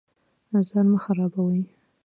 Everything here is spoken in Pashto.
ځان مه خرابوئ